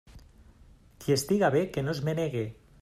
Qui estiga bé, que no es menege.